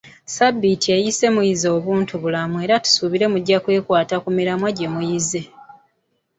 Sabbiiti eyise muyize obuntubulamu era tusuubira nti mujja kwekwata ku miramwa gye muyize.